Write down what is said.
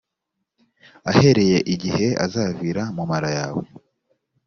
ahereye igihe azavira mu mara yawe